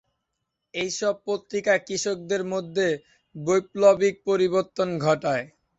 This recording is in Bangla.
এসব পত্রিকা কৃষকদের মধ্যে বৈপ্লবিক পরিবর্তন ঘটায়।